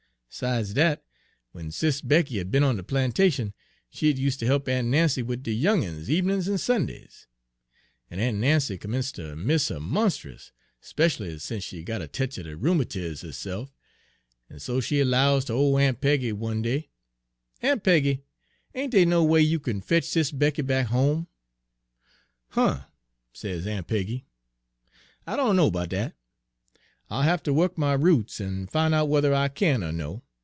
'Sides dat, w'en Sis' Becky had be'n on de plantation, she had useter he'p Aun' Nancy wid de young uns ebenin's en Sundays; en Aun' Nancy 'mence' ter miss 'er monst'us, 'speshly sence she got a tech er de rheumatiz herse'f, en so she 'lows ter ole Aun' Peggy one day: " 'Aun' Peggy, ain' dey no way you kin fetch Sis' Becky back home?' " 'Huh!' sez Aun' Peggy, 'I dunno 'bout dat. I'll hafter wuk my roots en fin' out whuther I kin er no.